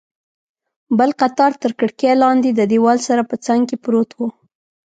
بل قطار تر کړکۍ لاندې، د دیوال سره په څنګ کې پروت و.